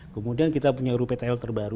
kemudian kita punya ruptl terbaru